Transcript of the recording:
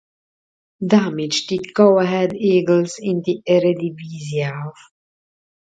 Damit stieg Go Ahead Eagles in die Eredivisie auf.